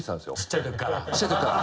ちっちゃい時から。